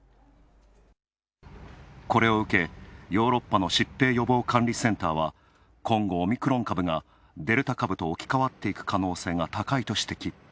これを受け、ヨーロッパの疾病予防管理センターは今後、オミクロン株がデルタ株と置き換わっていく可能性が高いと指摘。